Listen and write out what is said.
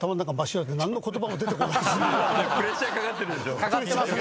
何の言葉も出てこないです。